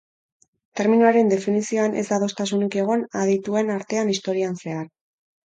Terminoaren definizioan ez da adostasunik egon adituen artean historian zehar.